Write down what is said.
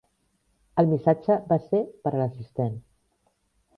El missatge var ser per a l"assistent.